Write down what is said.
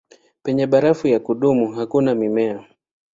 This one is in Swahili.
Penye barafu ya kudumu hakuna mimea.